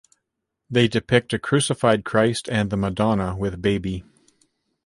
They depict a crucified Christ and the Madonna with baby.